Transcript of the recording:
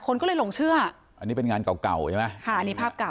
คนก็เลยลงเชื่ออันนี้เป็นงานเก่าใช่มั้ยฮ่านี่ภาพเก่า